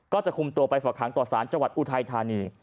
ก็จะคุมตัวไปฝากหางต่อสารจังหวัดอุทัยธานี